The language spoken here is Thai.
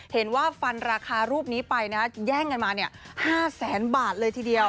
เห็นว่าฟันราคารูปนี้ไปนะแย่งกันมา๕แสนบาทเลยทีเดียว